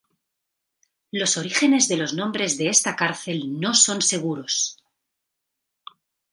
Los orígenes de los nombres de esta cárcel no son seguros.